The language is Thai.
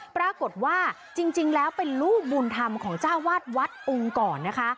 ปรากฏว่าจริงแล้วเป็นลูกบุญธรรมของเจ้าวาดวัดองค์ก่อนนะคะ